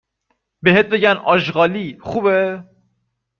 !بهت بگن آشغالی ، خوبه